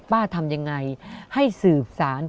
ทำยังไงให้สืบสาร